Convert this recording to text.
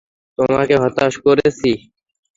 তোমাকে হতাশ করেছি।